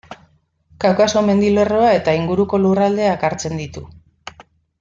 Kaukaso mendilerroa eta inguruko lurraldeak hartzen ditu.